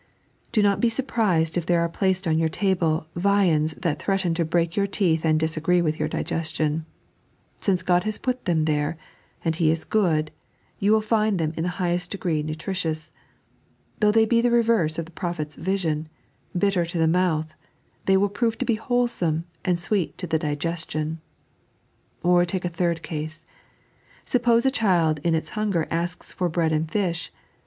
Do not be surprised if there are placed on your table viands that threaten to break your teeth and disagree with your digestion. Since Ood has put them there— and He is good — you will find them in the highest degree nutritious. Though they be the reverse of the prophet's vision — bitter to the mouth — they will prove to be wholesome, and sweet to the digestion. Or bike a third case. Suppose a child in its hunger asks for bread and fish.